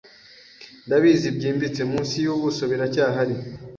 Ndabizi byimbitse, munsi yubuso biracyahari,